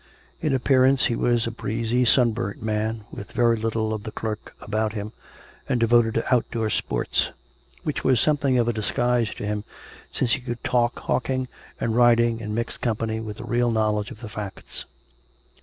In appear ance he was a breezy sunburnt man, with very little of the clerk about him, and devoted to outdoor sports (which was something of a disguise to him since he could talk hawking COME RACK! COME ROPE! 383 and riding in mixed company with a real knowledge of the facts).